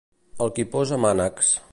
El qui posa mànecs.